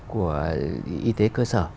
của y tế cơ sở